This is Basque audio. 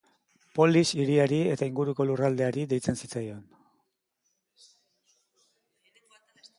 Polis hiriari eta inguruko lurraldeari deitzen zitzaion.